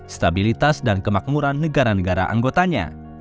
stabilitas dan kemakmuran negara negara anggotanya